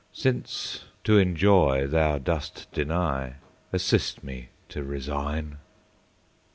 —Since to enjoy Thou dost deny, Assist me to resign.